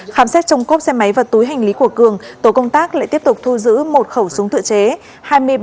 khám xét trong cốp xe máy và túi hành lý của cường tổ công tác lại tiếp tục thu giữ một khẩu súng tự chế